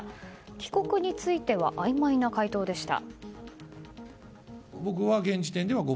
帰国についてはあいまいな回答でした。